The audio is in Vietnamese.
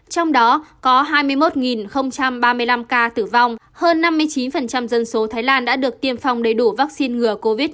trong đó có hai mươi một ba mươi năm ca tử vong hơn năm mươi chín dân số thái lan đã được tiêm phòng đầy đủ vaccine ngừa covid một mươi chín